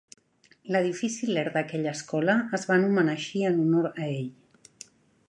L'Edifici Lehr d'aquella escola es va anomenar així en honor a ell.